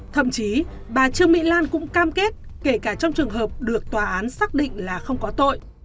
thậm chí bà trương mỹ lan cũng cam kết kể cả trong trường hợp được tòa án xác định là không có tội